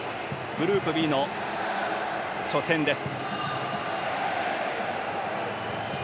グループＢの初戦です。